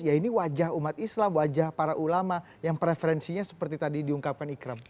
ya ini wajah umat islam wajah para ulama yang preferensinya seperti tadi diungkapkan ikram